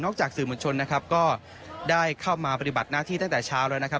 จากสื่อมวลชนนะครับก็ได้เข้ามาปฏิบัติหน้าที่ตั้งแต่เช้าแล้วนะครับ